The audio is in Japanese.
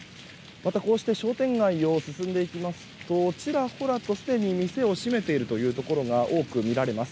また、こうして商店街を進んでいきますとちらほらとすでに店を閉めているというところが多く見られます。